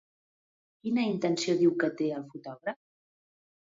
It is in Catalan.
Quina intenció diu que té el fotògraf?